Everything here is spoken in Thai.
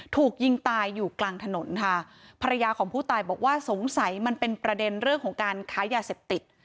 ถูกยิงตายอยู่กลางถนนค่ะภรรยาของผู้ตายบอกว่าสงสัยมันเป็นประเด็นเรื่องของการค้ายาเสพติด